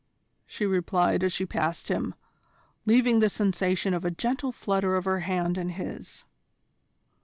she replied as she passed him, leaving the sensation of a gentle flutter of her hand in his.